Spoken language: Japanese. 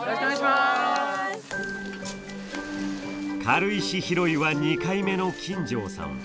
軽石拾いは２回目の金城さん。